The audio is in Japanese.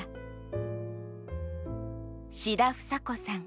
志田房子さん